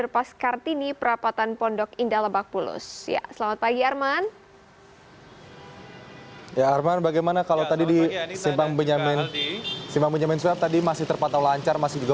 baik dan kini kita akan berlali menuju ke jalan garuda